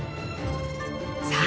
さあ